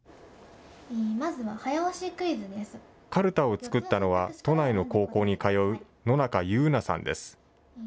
かるたを作ったのは都内の高校に通う野中優那さんです。